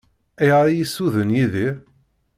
Ayɣer i yi-ssuden Yidir?